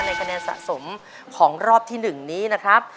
คะแนนสะสมของรอบที่๑นี้นะครับ